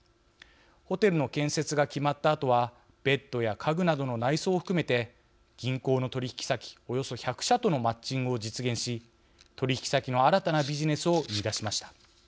ホテルの建設が決まったあとはベッドや家具などの内装を含めて銀行の取引先およそ１００社とのマッチングを実現し取引先の新たなビジネスを生み出しました。